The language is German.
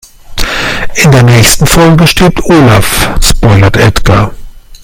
In der nächsten Folge stirbt Olaf, spoilert Edgar.